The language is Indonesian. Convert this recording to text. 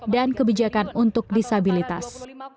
dan kebijakan untuk disabilitas